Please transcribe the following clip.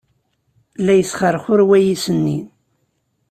La yesxerxur wayis-nni.